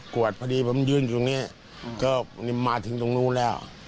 กวดพอดีผมยื่นทางโหนี้ก็มาถึงตรงโน้นแล้ว